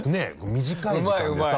短い時間でさ。